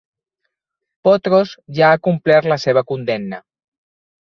Potros ja ha complert la seva condemna